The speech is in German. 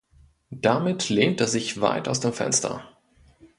Damit lehnt er sich weit aus dem Fenster.